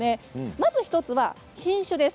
まず１つは品種です。